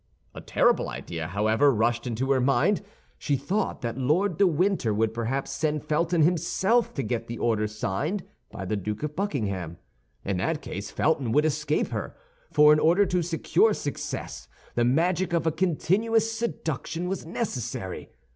A terrible idea, however, rushed into her mind. She thought that Lord de Winter would perhaps send Felton himself to get the order signed by the Duke of Buckingham. In that case Felton would escape her—for in order to secure success, the magic of a continuous seduction was necessary.